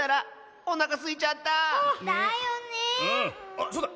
あっそうだ。